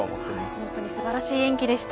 本当に素晴らしい演技でした。